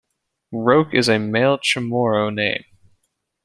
Roke is a male Chamorro name.